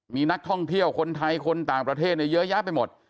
มีนักท่องเที่ยวคนไทยคนต่างประเทศเยอะแยะไปหมด